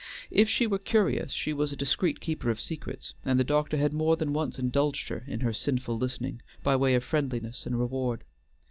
If she were curious, she was a discreet keeper of secrets, and the doctor had more than once indulged her in her sinful listening by way of friendliness and reward.